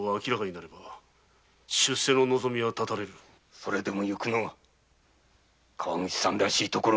それでも行くのが川口さんらしいところだ。